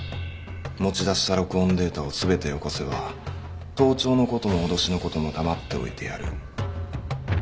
持ち出した録音データを全てよこせば盗聴のことも脅しのことも黙っておいてやる。